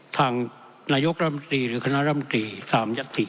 ทางนายกรรมตรีหรือคณรรมตรี๓ยัตรี